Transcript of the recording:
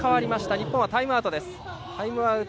日本はタイムアウト。